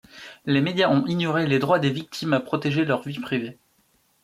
Les médias ont ignoré les droits des victimes à protéger leur vie privée.